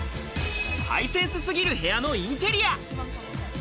ハイセンスすぎる部屋のインテリア。